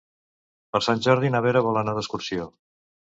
Per Sant Jordi na Vera vol anar d'excursió.